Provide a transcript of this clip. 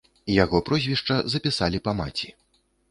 Яго прозвішча запісалі па маці.